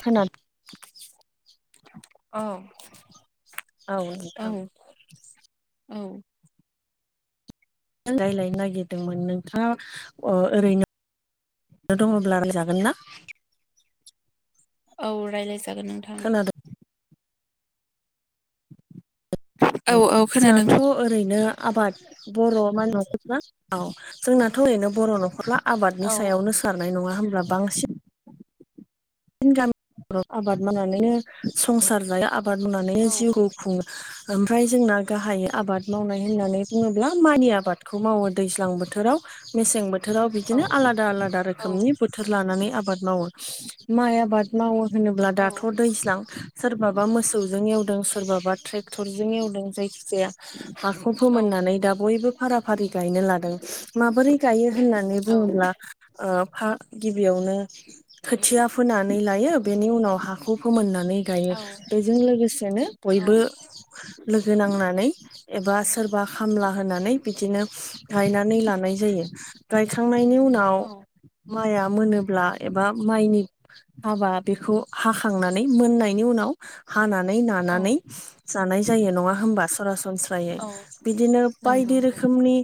खोना औ औ नोंथां। औ औ रायज्लायनो नागिरदोंमोन नोंथाङा अ ओरैनो दङब्ला रायलाजागोन ना? औ रायज्लाय जागोन नोंथां। खोनादों औ औ खोनादों। जोंनाथ' ओरैनो आबाद बर' मा न'खरना औ जोंनाथ' ओरैनो बर' न'खरला औ आबादनि सायावनो खारनाय नङा होमब्ला बांसिन जोंनि गामिाव आबाद मावनानैनो संसार जायो आबाद मावनानैनो औ जिउखौ खुङो ओमफ्राय जोंना गाहाय आबाद मावनाय होननानै बुङोब्ला मानि आबादखौ मावो दैज्लां बोथोराव मेसें बोथोराव बोथोराव औ बिदिनो आलादा आलादा रोखोमनि बोथोर लानानै आबाद मावो। माइ आबाद मावो होनोब्ला औ दाथ' दैज्लां सोरबाबा मोसौजों एवदों सोरबाबा ट्रेक्टरजों एवदों जायखिजाया हाखौ फोमोननानै दा बयबो फारा फारि गायनो लादों। माबोरै गायो होननानै बुङोब्ला फा गिबियावनो खोथिया फोनानै लायो बेनि उनाव हाखौ फोमोननानै नानै गायो बेजों लोगोसेनो बयबो लोगो नांनानै एबा सोरबा खामला होनानै बिदिनो गायनानै लानाय जायो। गायखांनायनि उनाव औ माइआ मोनोब्ला एबा माइनि हाबा बेखौ हाखांनानै मोननायनि उनाव हानानै औ नानानै जानाय जायो नङा होमबा सरासनस्रायै औ बिदिनो नंगौ बायदि रोखोमनि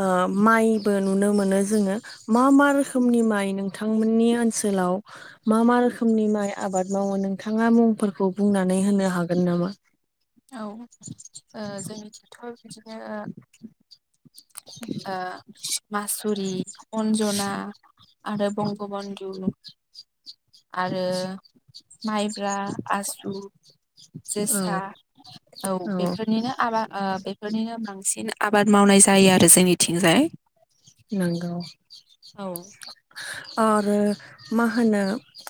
ओ माइबो नुनो मोनो जोङो। मा मा रोखोमनि माइ नोंथांमोननि ओनसोलाव मा मा रोखोमनि माइ आबाद मावो नोंथाङा मुंफोरखौ बुंनानै होनो हागोन नामा। औ जोंनिथिथ' बिदिनो ओ मासुरि अन्जना आरो बंगबन्धु आरो माइब्रा आसु औ जोसा औ बेफोरनिनो आबाद बे बेफोरनिनो बांसिन आबाद मावनाय जायो आरो जोंनिथिंजाय नोंगौ औ आरो मा होनो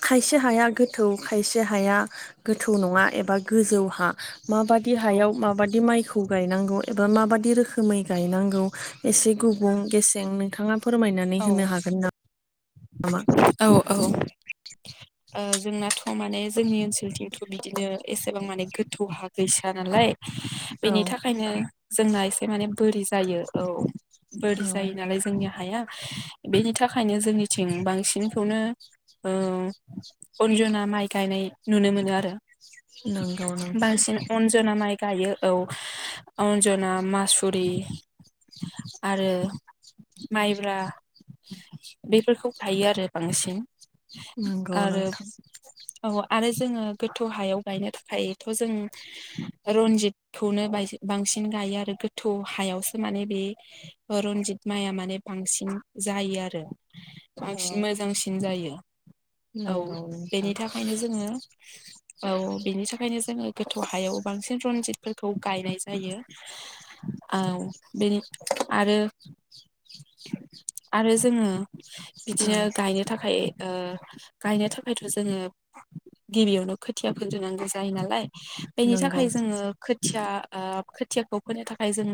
खायसे हाया गोथौ खायसे हाया गोथौ नङा एबा गोजौ हा माबादि हायाव माबाददि माइखौ थौ गायनांगौ एबा मााबाददि रोखोमै गायनांगौ एसे गुबुं गेसें नोंथाङा फोरमायनानै औ होनो हागोन ना-नामा औ औ जोंना थ' माने जोंनि ओनसोलथिंथ' बिदिनो एसेबां माने गोथौ हा गैसो आनालाय बेनि औ थाखायनो जोंना एसे माने बोरि जायो औ बोरि औ जायो नालाय जोंनि हाया बेनि थाखायनो जोंनिथिं बांसिनखौनो ओ अनजना माइ गायनाय नुनो मोनो आरो। नंगौ नोंथां बांसिन अनजना माइ गायो औ अनजना मासुरि आरो माइ बुरा बेफोरखौ गायो आरो बांसिन नंगौ आरो नोंथां औ आरो जोंङो गोथौ हायाव गायनो थाखायथ' जों रनजितखौनो बांसिन गायो आरो गोथौ हायावसो माने बे रनजित माइआ माने बांसिन जायो आरो। बांसिन मोजांसिन जायो। औ नंगौ नोंथां बेनि थाखायनो जोंङो औ बेनि थाखायनो जोंङो गोथौ हायाव बांसिन रनजितफोरखौ गायनाय जायो। औ बेनि आरो आरो जोंङो औ बिदिनो गायनो थाखाय गायनो थाखायथ' जोंङो गिबियावनो खोथिया फोदोनांगौ जायो नालाय बेनि नंगौ थाखाय जोंङो खोथिया खोथियाखौ फोनो थाखाय जों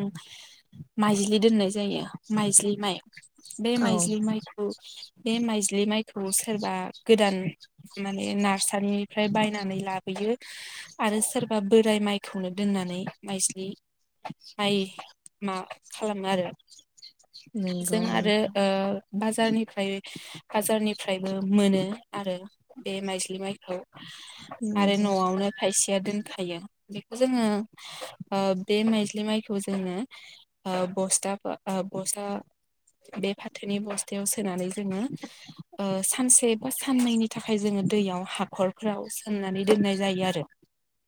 माइज्लि दोननाय जायो माइज्लि माइ बे औ माइज्लि माइखौ बे माइज्लि माइखौ सोरबा गोदान माने नार्सारिनिफ्राय बायनानै लाबोयो। आरो सोरबा बोराय माइखौनो दोननानै माइजलि आइ मा खालामो आरो नंगौ जों आरो नोंथां बाजारनिफ्राय बाजारनिफ्रायबो मोनो आरो बे माइजलि माइखौ आरो नंगौ न'आवनो खायसेया दोनखायो बेखौ जोङो बे माइज्लि माइखौ जोङो बस्टा बे फाथोनि बस्थायाव सोनानै जोङो सानसे बा साननैनि थाखाय जोङो दैयाव हाखरफोराव सोमनानै दोननाय जायो आरो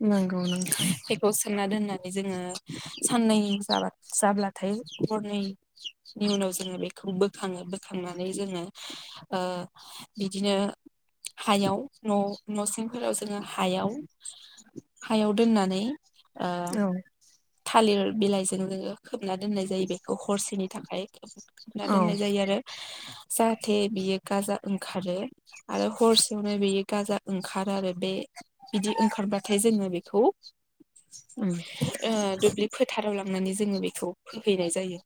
नांगौ नोंथां थ सोमना दोननानै जोंङो साननै जाबा-जाब्लाथाय हरनै नि उनाव जोंङो बेखौ बोखाङो बोखांनानै जोंङो बिदिनो हायाव न'-न' सिंफोराव जोंङो हायाव हायाव दोननानै ओ औ थालिर बिलाइजों जोंङो खोबना दोननाय जायो बेखौ हरसेनि थाखाय खना दोननाय औ जायो आरो जाहाथे बियो गाजा ओंखारो आरो हरसेयावनो बेयो गाजा ओंखारो आरो बे बिदि ओंखारबाथाय जोङो बेखौ दुब्लि फोथाराव लांनानै जोङो बेखौ फोहैनाय जायो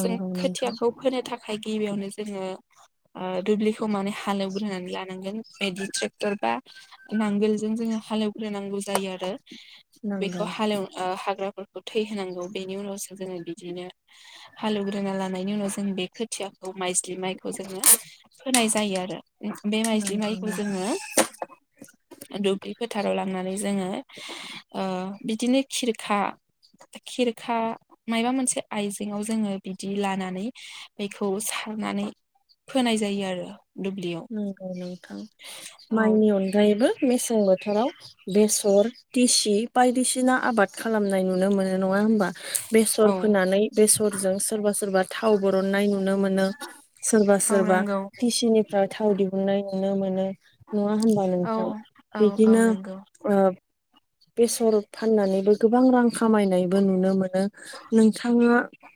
जों नोंथां खोथियाखौ फोनो थाखाय गिबियावनो जोङो दुब्लिखौ माने हालेवग्रोनानै लानांगोन बिदि ट्रेक्टर बा नांगोलजों जोङो हालेवग्राय नांगौ जायो आरो नंगौ बेखौ हालेव हाग्राफोरखौ थै होनांगौ बेनि उनावसो जोङो बिदिनो हालौवग्रोना लानायनि उनाव जों बे खोथिया मायस्लि माइखौ जोङो होनाय जायो आरो बे माइस्लि नंगौ माइखौ नोंथां जोङो दुब्लि फोथाराव लांनानै जोङो बिदिनो खिरखा खिरखा मायबा मोनसे आइजेङआव जोङो बिदि लानानै बेखौ सारनानै फोनाय जायो आरो दुब्लियाव नंगौ नोंथां औ माइनि अनगायैबो मेसें बोथोराव बेसर दिसि बायदिसिना आबाद खालामनाय नुनो मोनो नङा हबा औ बेसर फोनानै बेसरजों सोरबा सोरबा थाव बरननाय नुनो मोनो सोरबा औ सोरबा नंगौ टिसिनि थाव दिहुननाय नुनो मोनो नङा होनबा औ नोंथां औ औ बिदिनो नंगौ बेसर फाननानैबो गोबां रां खामायनायबो नुनो मोनो नोंथाङो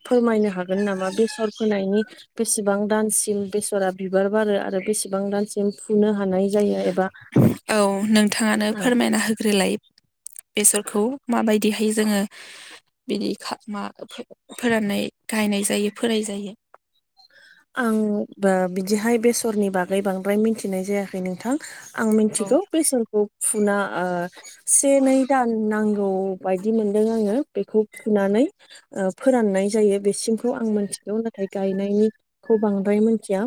फोरमायनो हागोन नामा बेसर फोनायनि बेसेबां दानसिम बेसरा बार आरो बेसेबां दानसिम फुनो हानाय जायो औ नोंथाङानो एबा फोरमायना होग्रोलाय बेसरखौ माबायदिहाय जोङो बिदि मा फोराननाय गायनाय जायो फोराय जायो आं बिदिहाय बेसरनि बागै बांद्राय मिथिनाय जायाखै नोंथां आं औ मिथिगौ बेसरखौ फुना से नै दान नांगौ बायदि मोनदों आङो बेखौ फुनानै फोराननाय जायो बेसिम आं मिथिगौ नाथाय गायनायनिखौ बांद्राय मिथिया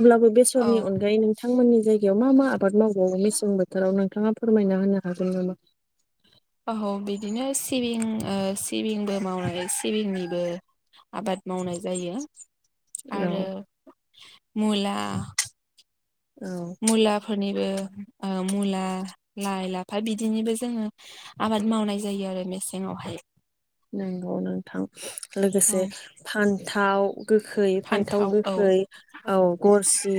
अब्लाबो औ बेसरनि अनगायै बिथांमोननि जायगायाव मा मा आबाद मावबावो मेसें बोथोराव नोंथाङा फोरमायना होनो हागोन नामा आ बिदिनो सिबिं सिबिंबो मावनाय सिबिंनिबो आबाद मावनाय जायो आरो औ मुला औ मुलाफोरनिबो मुला लाइ लाफा बिदिनिबो जोङो आबाद मावनाय जायो आरो मेसेङावहाय नंगौ नोंथां औ लोगोसे फान्थाव गोखै फान्थाव गोखै। औ गरसि,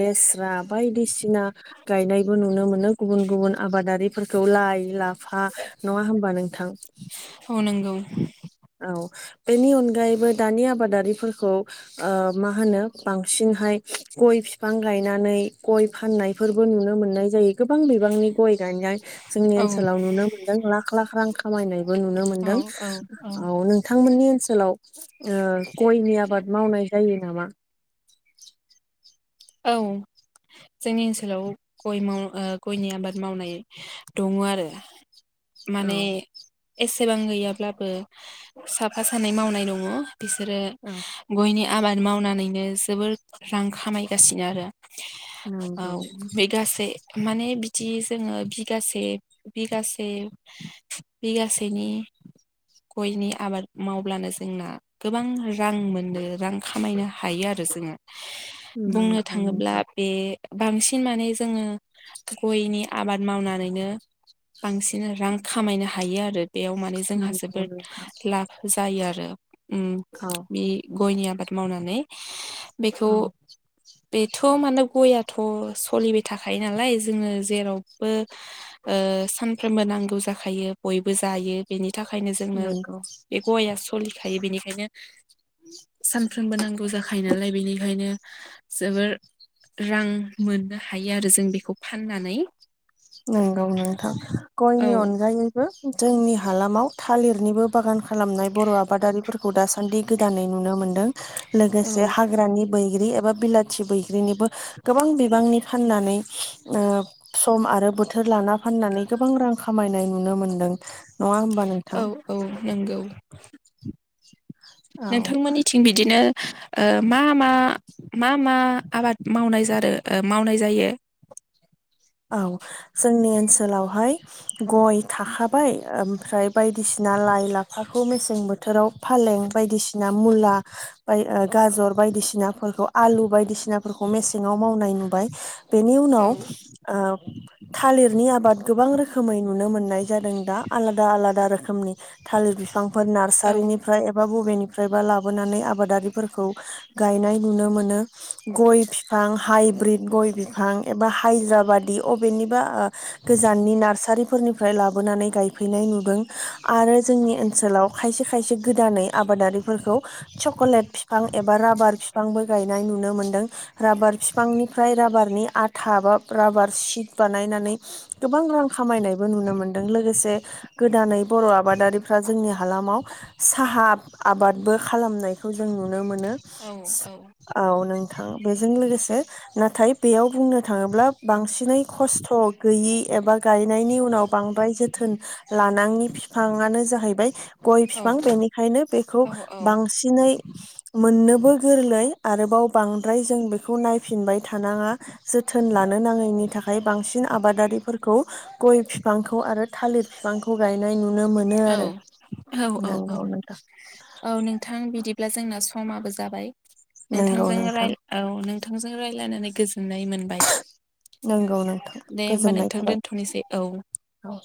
लेस्रा बायदिसिना गायनायबो नुनो मोनो गुबुन गुबुन आबादारिफोरखौ लाइ ला फा नङा होमबा नोंथां? ओ नंगौ। औ बेनि अनगायैबो दानि आबादारिफोरखौ मा होनो बांसिनहाय गय बिफां गायनानै गय फाननायफोरबो नुनो मोननाय जायो गोबां बिबांनि गय गायनाय जोंनि औ ओनसोलाव नुनो मोनदों लाख लाख रां खामायनायबो नुनो मोनदों औ औ औ नोंथांमोननि ओनसोलाव गयनि आबाद मावनाय जायो नामा औ। जोंनि ओनसोलाव गय माव गयनि आबाद मावनाय दङ आरो। औ माने एसेबां गैयाब्लाबो साफा सानै मावनाय दङ। बिसोरो औ गयनि आबाद मावनानैनो जोबोर रां खामायगासिनो आरो। औ नंगौ बे गासै माने बिदि जोङो बिगासे बिगासे बिगासेनि गयनि आबाद मावब्लानो जोंना गोबां रां मोनो, रां खामायनो हायो आरो जोङो। बुंनो नंगौ थाङोब्ला नोंथां बे बांसिन माने जोङो गयनि आबाद मावनानैनो बांसिन रां खामायनो हायो आरो। बेयाव माने जोंहा नंगौ जोबोद नोंथां लाब जायो आरो। उम। औ। बि गयनि आबाद मावनानै बेखौ औ बेथ' माने गयाथ' सोलिबाय थाखायो नालाय, जोङो जेरावबो ओ सानफ्रोमबो नांगौ जाखायो, बयबो जायो। बेनि थाखायनो जोंनो नंगौ बे गया सोलिखायो बेनिखायनो सानफ्रोमबो नांगौ जाखायो नालाय बेनिखायनो जोबोर रां मोननो हायो आरो जों बेखौ फाननानै। नंगौ नोंथां, औ गयनि अनगायैबो जोंनि हालामाव थालिरनिबो बागान खालामनाय बर' आबादारिफोरखौ दासान्दि गोदानै नुनो मोनदों, लोगोसे औ हाग्रानि बैग्रि एबा बिलाथि बैग्रिनिबो गोबां बिबांनि फाननानै ओ सम आरो बोथोर लाना फाननानै गोबां रां खामायनाय नुनो मोनदों, नङा होमबा औ नोंथां? औ नंगौ, औ नोंथांमोननिथिं बिदिनो मा मा, मा मा आबाद मावनाय जादों ओ मावनाय जायो? औ जोंनि ओनसोलावहाय गय थाखाबाय, ओमफ्राय बायदिसिना लाइ लाफाखौ मेसें बोथोराव फालें बायदिसिना मुला बाय गाजर बायदिसिनाफोरखौ आलु बायदिसिनाफोरखौ मेसेङाव मावनाय नुबाय। बेनि औ उनाव ओ थालिरनि आबाद गोबां रोखोमै नुनो मोननाय जादों दा आलादा आलादा रोखोमनि। थालिर बिफांफोर औ नार्सारिनिफ्राय एबा बबेनिफ्रायबा लाबोनानै आबादारिफोरखौ गायनाय नुनो मोनो। गय बिफां, हाइब्रिद गय बिफां एबा हाइज्रा बादि अबेनिबा ओ गोजाननि नार्सारि फोरनिफ्राय लाबोनानै गायफैनाय नुदों आरो जोंनि ओनसोलाव खायसे खायसे गोदानै आबादारि फोरखौ चकलेट बिफां एबा राबार बिफांबो गायनाय नुनो मोन्दों। राबार बिफांनिफ्राय राबारनि आथा बा राबार सिट बानायनानै गोबां रां खामायनायबो नुनो मोन्दों। लोगोसे गोदानै बर' आबादारिफ्रा जोंनि हालामाव साहा आबादबो खालामनायखौ जों नुनो मोनो। औ औ। औ नोंथां बेजों लोगोसे नाथाय बेयाव बुंनो थाङोब्ला बांसिनै खस्थ' गैयि एबा गायनायनि उनाव बांद्राय जोथोन लानाङि फिफांङानो जाहैबाय गय औ फिफां, बेनिखायनो बेखौ औ बांसिन दिनै मोननोबो गोरलै, आरोबाव बांद्राय जों बेखौ नायफिनबाय थानाङा। जोथोन लानो नाङैनि थाखाय बांसिन आबादारिफोरखौ गय बिफांखौ आरो थालिर बिफांखौ गायनाय नुनो मोनो। मोननो आरो औ औ औ नंगौ नोंथां। औ नोंथां बिदिब्ला जोंना समाबो जाबाय नंगौ नोंथांजों नोंथां राय औ नोंथांजों रायज्लायनानै गोजोननाय मोनबाय। नंगौ नोंथां दे होमबा गोजोननाय नोंथां थाबाय दोनथ'नोसै औ औ